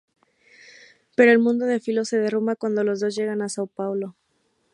Pero el mundo de Filo se derrumba cuando los dos llegan en Sao Paulo.